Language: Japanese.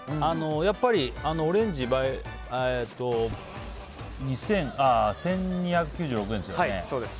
やっぱり、オレンジが１２９６円ですよね。